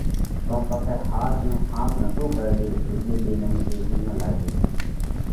پڻ ۿاس ۾ ۿاپ نتو ڪرڙيو پڻ رُوڳي ننڪي ٻي ۿُوئيون لاڳي تي۔